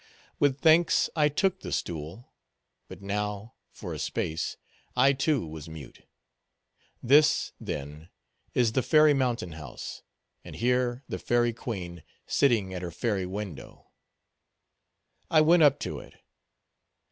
With thanks I took the stool; but now, for a space, I, too, was mute. This, then, is the fairy mountain house, and here, the fairy queen sitting at her fairy window. I went up to it.